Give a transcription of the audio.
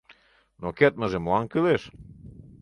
Но кертмыже молан кӱлеш?